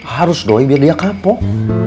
harus dongi biar dia kapok